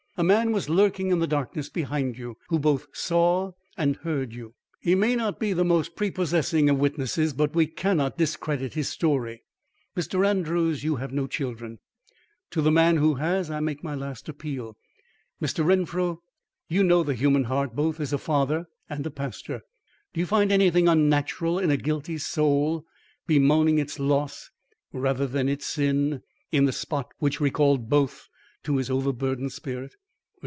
"A man was lurking in the darkness behind you, who both saw and heard you. He may not be the most prepossessing of witnesses, but we cannot discredit his story." "Mr. Andrews, you have no children. To the man who has, I make my last appeal. Mr. Renfrew, you know the human heart both as a father and a pastor. Do you find anything unnatural in a guilty soul bemoaning its loss rather than its sin, in the spot which recalled both to his overburdened spirit?"